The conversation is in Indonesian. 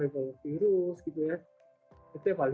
penyebabnya adalah virus yang menyebabkan penyebabnya